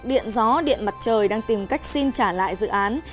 điện gió điện mặt trời đang tìm cách xin trả lại dự án